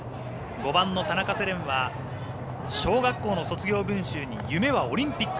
５番の田中世蓮は小学校の卒業文集に夢はオリンピック。